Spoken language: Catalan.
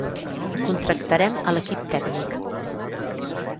Contactarem a l'equip tècnic.